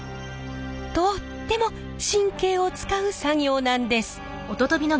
とっても神経を遣う作業なんです。